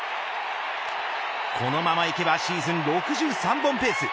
このままいけばシーズン６３本ペース。